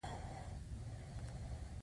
هغه هغې ته د ښایسته هیلې ګلان ډالۍ هم کړل.